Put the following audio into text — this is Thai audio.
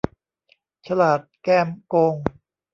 ฉลาดแกมโกง